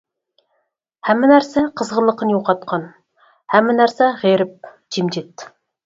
ھەممە نەرسە قىزغىنلىقىنى يوقاتقان. ھەممە نەرسە غېرىب، جىمجىت.